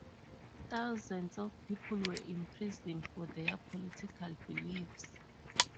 Thousands of people were imprisoned for their political beliefs.